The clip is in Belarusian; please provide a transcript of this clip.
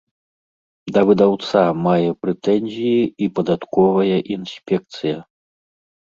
Да выдаўца мае прэтэнзіі і падатковая інспекцыя.